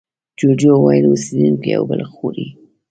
جوجو وویل اوسېدونکي یو بل خوري.